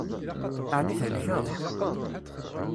Ɛni thelkeḍ?